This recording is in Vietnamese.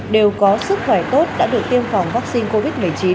đều có sức khỏe tốt đã được tiêm phòng vaccine covid một mươi chín